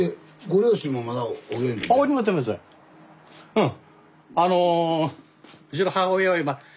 うん。